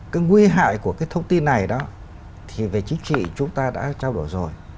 cái nguy hại của cái thông tin này đó thì về chính trị chúng ta đã trao đổi rồi